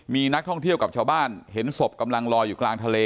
มีนักท่องเที่ยวกับชาวบ้านเห็นศพกำลังลอยอยู่กลางทะเล